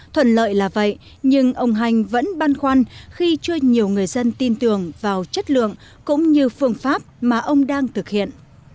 thuận lợi là vậy nhưng ông hanh vẫn băn khoăn khi chưa nhiều người dân tin tưởng vào chất lượng cũng như phương pháp mà ông đang thực hiện